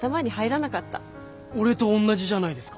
俺とおんなじじゃないですか。